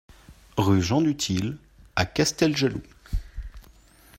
Rue Jean Duthil à Casteljaloux